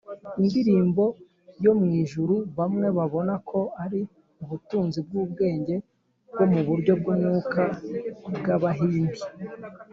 indirimbo yo mu ijuru bamwe babona ko ari ubutunzi bw’ubwenge bwo mu buryo bw’umwuka bw’abahindi